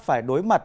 phải đối mặt